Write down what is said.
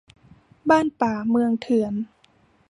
บ้านป่า เมืองเถื่อน